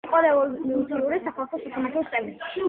იყო რევოლუციური სახალხო სასამართლოს წევრი.